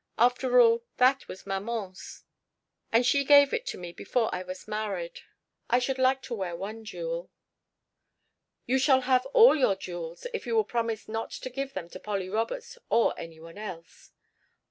After all, that was maman's, and she gave it to me before I was married. I should like to wear one jewel." "You shall have all your jewels, if you will promise not to give them to Polly Roberts or any one else."